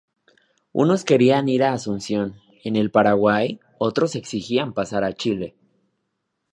Unos querían ir a Asunción, en el Paraguay; otros exigían pasar a Chile.